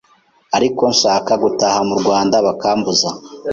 ariko nashaka gutaha mu Rwanda bakambuza